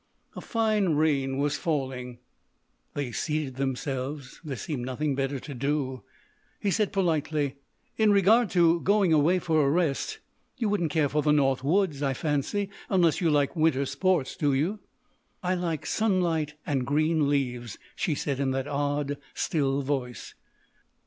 A fine rain was falling. They seated themselves. There seemed nothing better to do. He said, politely: "In regard to going away for a rest, you wouldn't care for the North Woods, I fancy, unless you like winter sports. Do you?" "I like sunlight and green leaves," she said in that odd, still voice.